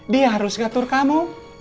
dia harus ngatur kamu